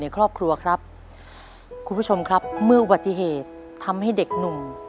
ครอบครัวครับคุณผู้ชมครับเมื่ออุบัติเหตุทำให้เด็กหนุ่ม